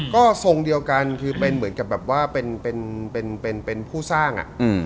ก็ทรงเดียวกันคือเป็นเหมือนกับแบบว่าเป็นผู้สร้าง